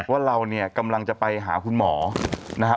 ว่าเราเนี่ยกำลังจะไปหาคุณหมอนะฮะ